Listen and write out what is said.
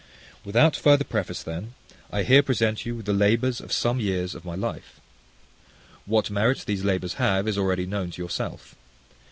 Without further preface then, I here present you with the labours of some years of my life. What merit these labours have is already known to yourself.